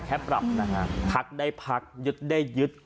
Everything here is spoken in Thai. อย่าแค่ปรับนะครับผลักได้พลักหยุดได้หยุด